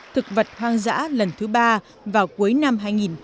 thực vật hoang dã lần thứ ba vào cuối năm hai nghìn một mươi chín